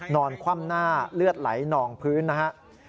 คว่ำหน้าเลือดไหลนองพื้นนะครับ